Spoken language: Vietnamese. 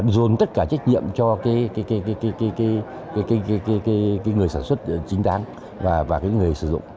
rồn tất cả trách nhiệm cho người sản xuất chính đáng và người sử dụng